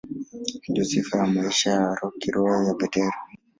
Ndiyo sifa ya maisha ya kiroho ya Petro.